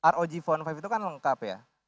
rog phone lima itu kan lengkap ya